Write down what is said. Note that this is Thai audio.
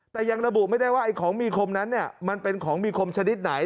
แต่ยังระบุไม่ได้ว่าไอ้ของมีคมนั้นมันเป็นของมีคมชนิดไหน